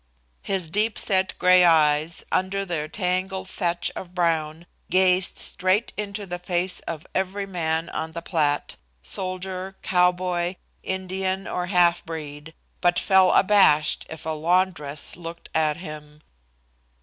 His deep set gray eyes, under their tangled thatch of brown, gazed straight into the face of every man on the Platte, soldier, cowboy, Indian or halfbreed, but fell abashed if a laundress looked at him.